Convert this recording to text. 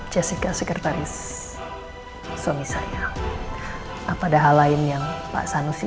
jessica sekretaris suami saya apa ada hal lain yang pak sanusi